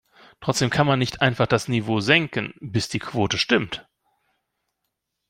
Trotzdem kann man nicht einfach das Niveau senken, bis die Quote stimmt.